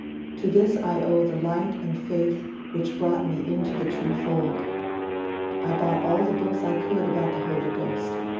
To this I owe the light and faith which brought me into the truefold. I bought all the books I could about the Holy Ghost.